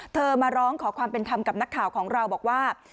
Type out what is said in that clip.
มาร้องขอความเป็นธรรมกับนักข่าวของเราบอกว่า